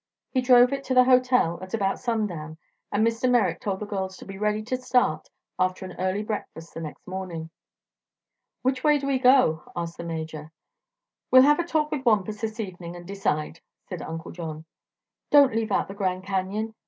He drove it to the hotel at about sundown and Mr. Merrick told the girls to be ready to start after an early breakfast the next morning. "Which way do we go?" asked the Major. "We'll have a talk with Wampus this evening and decide," said Uncle John. "Don't leave out the Grand Canyon!"